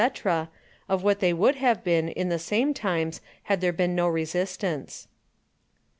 _ of what they would have been, in the same Times, had there been no Resistance. 9.